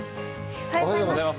おはようございます。